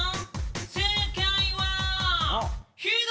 正解は」